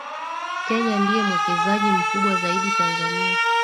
Kenya ndiye mwekezaji mkubwa zaidi Tanzania